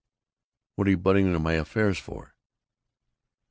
"What are you butting into my affairs for?"